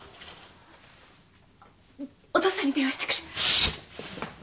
お父さんに電話してくる。